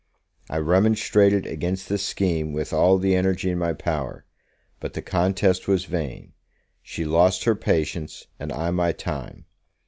I remonstrated against this scheme with all the energy in my power; but the contest was vain; she lost her patience, and I my time.